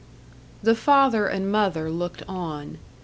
The father and mother looked on.